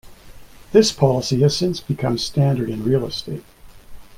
This policy has since become standard in real estate.